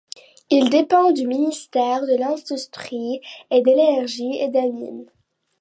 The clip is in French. Il dépend du ministère de l'Industrie, de l'Énergie et des Mines.